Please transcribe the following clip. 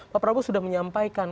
pak prabowo sudah menyampaikan